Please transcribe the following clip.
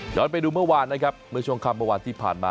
ไปดูเมื่อวานนะครับเมื่อช่วงค่ำเมื่อวานที่ผ่านมา